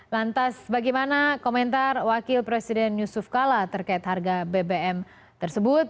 lantas bagaimana komentar wakil presiden yusuf kala terkait harga bbm tersebut